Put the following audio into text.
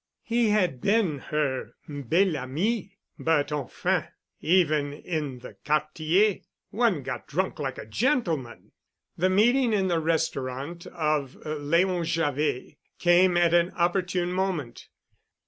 He had been her bel ami, but ... enfin, even in the Quartier, one got drunk like a gentleman. The meeting in the restaurant of Leon Javet came at an opportune moment.